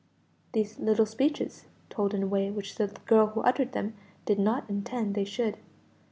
These little speeches told in a way which the girl who uttered them did not intend they should.